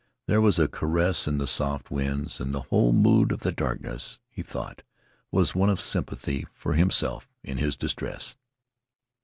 There was a caress in the soft winds; and the whole mood of the darkness, he thought, was one of sympathy for himself in his distress.